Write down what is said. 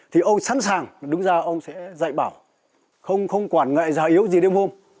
thì ông sẵn sàng đứng ra ông sẽ dạy bảo không quản ngại già yếu gì đêm hôm